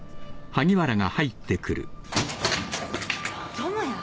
・智也。